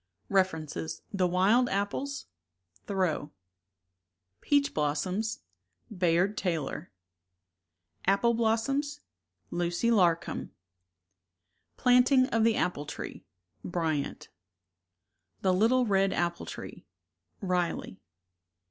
References: TAf IVilJ Apples. Thoreau. Peach Blossoms. Bayard Taylor. Apple Blossoms. Lucy Larcom. Planting of the Apple Tree. Bryant. 36 The Little Red Apple Tree, Riley.